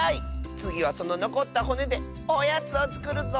つぎはそののこったほねでおやつをつくるぞ！